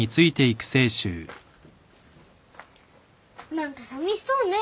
何かさみしそうね川藤。